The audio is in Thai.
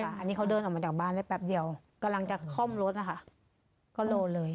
อันนี้เขาเดินออกมาจากบ้านได้แป๊บเดียวกำลังจะคล่อมรถนะคะก็โลเลย